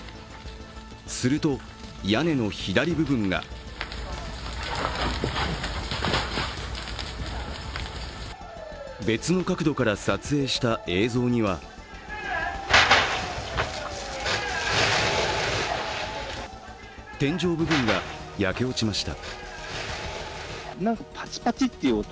すると、屋根の左部分が別の角度から撮影した映像には天井部分が焼け落ちました。